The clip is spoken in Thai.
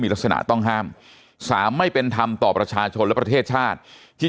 ลักษณะต้องห้ามสามไม่เป็นธรรมต่อประชาชนและประเทศชาติที่